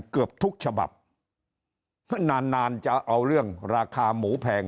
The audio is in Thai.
เกือบทุกฉบับนานนานจะเอาเรื่องราคาหมูแพง